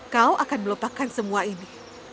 kau akan melupakan semua ini